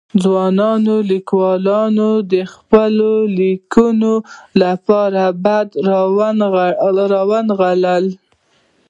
ځوانو ليکوالو د خپلو ليکنو لپاره بډې را ونغاړلې.